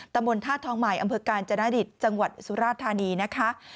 ตมธาตุทองค์ใหม่อำเภอกาลจนาดิษฐ์จังหวัดสุราษฎร์ธานีนะคะ